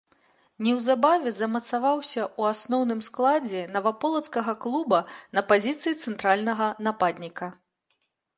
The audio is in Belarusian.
Неўзабаве замацаваўся ў асноўным складзе наваполацкага клуба на пазіцыі цэнтральнага нападніка.